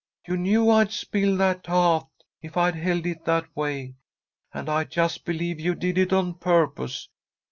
You knew I'd spill that taht if I held it that way, and I just believe you did it on purpose.